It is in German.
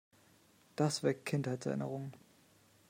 Das weckt Kinderheitserinnerungen.